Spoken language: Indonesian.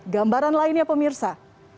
gambaran lainnya pemirsa